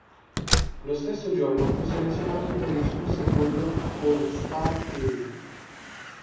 Lo stesso giorno fu selezionato per il suo secondo All-Star Game.